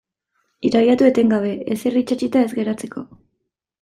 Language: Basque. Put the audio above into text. Irabiatu etengabe ezer itsatsita ez geratzeko.